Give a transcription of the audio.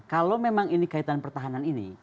kalau memang ini kaitan pertahanan ini